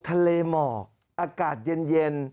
ทะเลหมอกอากาศเย็น